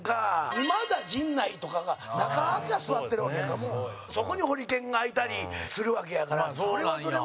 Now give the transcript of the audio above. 今田、陣内とか、中川家が座ってるわけやからそこに、ホリケンがいたりするわけやから、それはそれは。